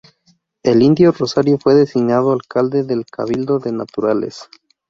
El indio Rosario fue designado alcalde del Cabildo de Naturales.